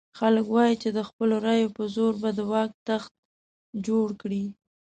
خلک وایي چې د خپلو رایو په زور به د واک تخت جوړ کړو.